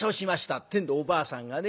ってんでおばあさんがね